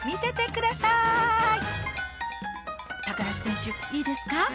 梨選手いいですか？